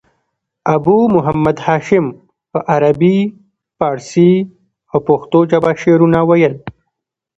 ابو محمد هاشم په عربي، پاړسي او پښتو ژبه شعرونه ویل.